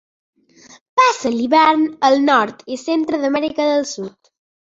Passa l'hivern al nord i centre d'Amèrica del Sud.